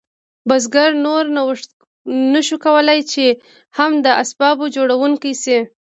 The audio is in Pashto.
بزګر نور نشو کولی چې هم د اسبابو جوړونکی شي.